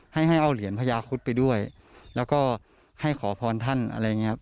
ให้เอาเหรียญพระยาคุฎไปด้วยแล้วก็ให้ขอพรท่านอะไรอย่างนี้ครับ